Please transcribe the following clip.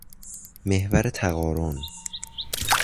محور تقارن